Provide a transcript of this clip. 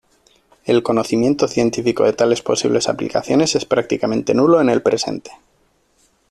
El conocimiento científico de tales posibles aplicaciones es prácticamente nulo en el presente.